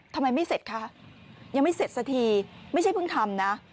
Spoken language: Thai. ทำไมไม่เสร็จคะยังไม่เสร็จสักทีไม่ใช่เพิ่งทำนะ